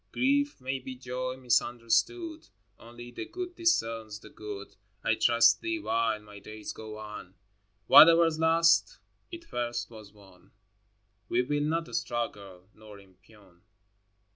Grief may be joy misunderstood : Only the Good discerns the good. I trust Thee while my days go on. XXII. Whatever's lost, it first was won: We will not struggle nor impugn.